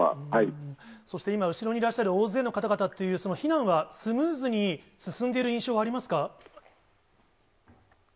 そして今、後ろにいらっしゃる大勢の方々っていう、避難はスムーズに進んでいる印象はありますか？